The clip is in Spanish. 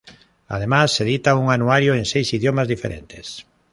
Además, se edita un anuario en seis idiomas diferentes.